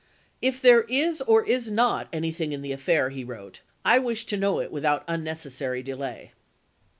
"If there is or is not anything in the affair," he wrote, " I wish to know it without unnecessary delay."